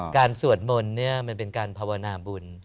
การสวดมนต์เนี่ยมันเป็นการพาวนาบุญ